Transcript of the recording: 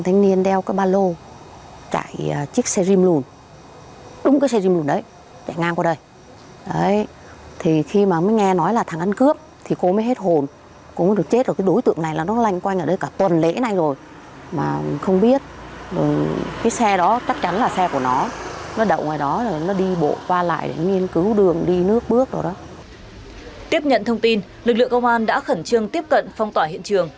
tiếp nhận thông tin lực lượng công an đã khẩn trương tiếp cận phong tỏa hiện trường